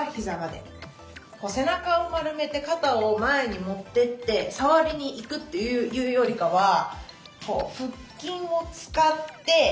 背中を丸めて肩を前に持ってって触りにいくというよりかは腹筋を使っておなかの力で起こす。